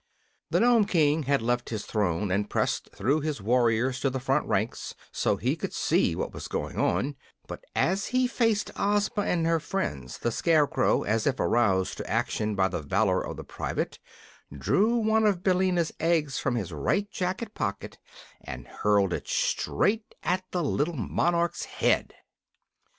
The Nome King had left his throne and pressed through his warriors to the front ranks, so he could see what was going on; but as he faced Ozma and her friends the Scarecrow, as if aroused to action by the valor of the private, drew one of Billina's eggs from his right jacket pocket and hurled it straight at the little monarch's head.